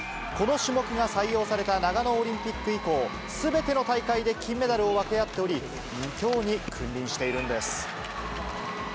この種目が採用された長野オリンピック以降、すべての大会で金メダルを分け合っており、２強に君臨しているんです。